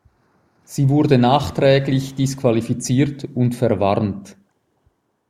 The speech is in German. Sie wurde nachträglich disqualifiziert und verwarnt.